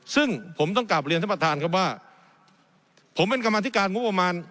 ซึ่งผมต้องกลับเรียนท่านประธานครับว่าผมเป็นกรรมธิการงบประมาณ